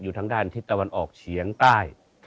ทางด้านทิศตะวันออกเฉียงใต้